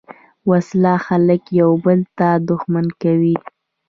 وسله خلک یو بل ته دښمن کوي